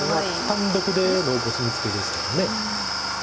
単独でのコスミツケですから。